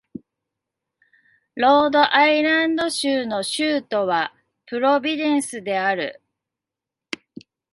ロードアイランド州の州都はプロビデンスである